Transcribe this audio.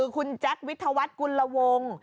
คุณแจ็ควิทธวัฏกุลลวงค์